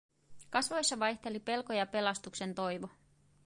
Kasvoissa vaihteli pelko ja pelastuksen toivo.